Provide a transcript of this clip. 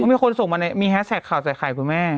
มีคนส่งมามีแฮสแท็กข่าวใส่ไข่คุณแม่